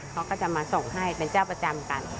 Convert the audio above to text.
เขาก็จะมาส่งให้เป็นเจ้าประจำกัน